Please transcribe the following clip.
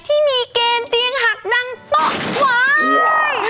ที่มีเกรนเตียงหักดังปะไว้